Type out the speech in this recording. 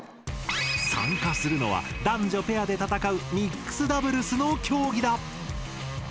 参加するのは男女ペアで戦うミックスダブルスの競技だ。